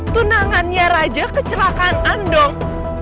tunangannya raja kecelakaan dong